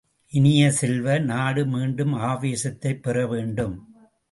இனிய செல்வ, நாடு மீண்டும் ஆவேசத்தைப் பெற வேண்டும்.